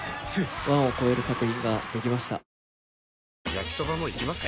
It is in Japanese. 焼きソバもいきます？